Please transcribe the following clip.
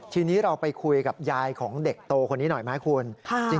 ทีนี้เราไปคุยกับยายของเด็กโตคนนี้หน่อยไหมคุณ